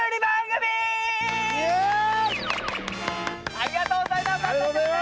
ありがとうございます！